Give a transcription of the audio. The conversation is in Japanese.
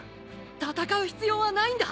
戦う必要はないんだ。